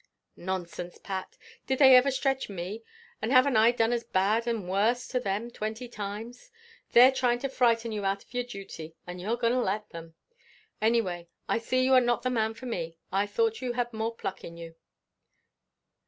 "Nonsense, Pat; did they ever stretch me? and haven't I done as bad and worse to them twenty times. They're trying to frighten you out of your duty, and you're going to let them. Any way, I see you are not the man for me. I thought you had more pluck in you."